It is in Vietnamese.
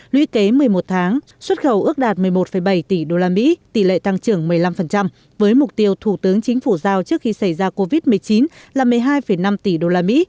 nguy kế một mươi một tháng xuất khẩu ước đạt một mươi một bảy tỷ đô la mỹ tỷ lệ tăng trưởng một mươi năm với mục tiêu thủ tướng chính phủ giao trước khi xảy ra covid một mươi chín là một mươi hai năm tỷ đô la mỹ